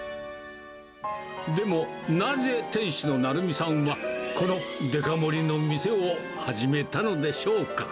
でも、なぜ店主の成美さんはこのデカ盛りの店を始めたのでしょうか。